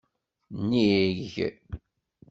Nnig.